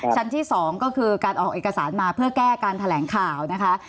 ชั้นที่๒ก็คือการออกเอกสารมาเพื่อแก้การแถลงข่าวนะคะ